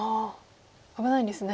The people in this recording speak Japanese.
危ないんですね。